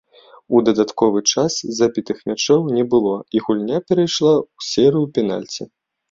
У дадатковы час забітых мячоў не было і гульня перайшла ў серыю пенальці.